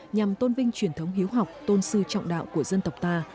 nhằm tôn vinh truyền thống hiếu học tôn sư trọng đạo của dân tộc ta